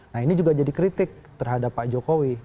nah ini juga jadi kritik terhadap pak jokowi